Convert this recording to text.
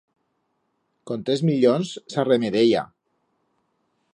Con tres millons s'arremedeya.